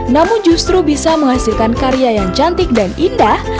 namun justru bisa menghasilkan karya yang cantik dan indah